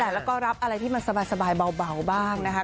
แต่แล้วก็รับอะไรที่มันสบายเบาบ้างนะคะ